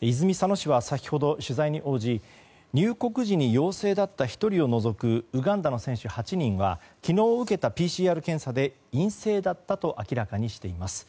泉佐野市は先ほど取材に応じ入国時に陽性だった１人を除くウガンダの選手８人は昨日受けたＰＣＲ検査で陰性だったと明らかにしています。